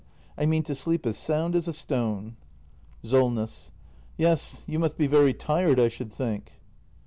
I mean to sleep as sound as a stone. SOLNESS. Yes, you must be very tired, I should think.